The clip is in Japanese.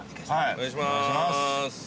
◆お願いしまーす。